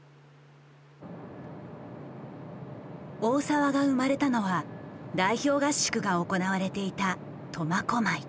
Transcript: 大澤が生まれたのは代表合宿が行われていた苫小牧。